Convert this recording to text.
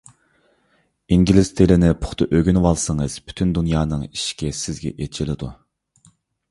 ئىنگلىز تىلىنى پۇختا ئۆگىنىۋالسىڭىز، پۈتۈن دۇنيانىڭ ئىشىكى سىزگە ئېچىلىدۇ.